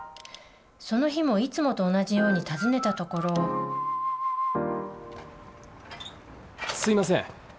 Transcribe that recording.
その日もいつもと同じように訪ねたところすいません。